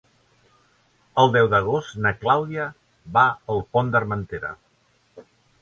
El deu d'agost na Clàudia va al Pont d'Armentera.